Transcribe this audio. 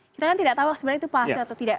kita kan tidak tahu sebenarnya itu palsu atau tidak